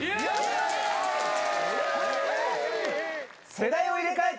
世代を入れ替えて。